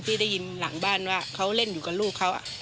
ที่ได้ยินหลังบ้านว่าเขาเล่นอยู่กับลูกเขา